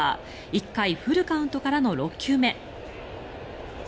１回フルカウントからの６球目。